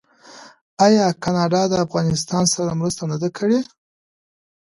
آیا کاناډا د افغانستان سره مرسته نه ده کړې؟